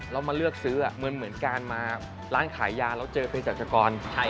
แล้วมาเลือกซื้อเหมือนการมาร้านขายยาแล้วเจอเพศรัชกร